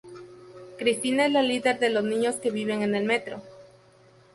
Cristina es la líder de los niños que viven en el metro.